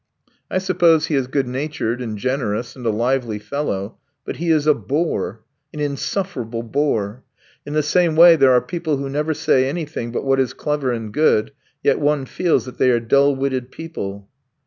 I suppose he is good natured and generous and a lively fellow, but he is a bore. An insufferable bore. In the same way there are people who never say anything but what is clever and good, yet one feels that they are dull witted people."